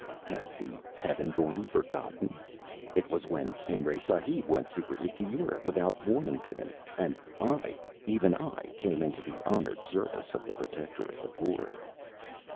"Has the heaven born forgotten? It was when Imray Sahib went secretly to Europe without warning given, and I even I came into the honored service of the protector of the poor."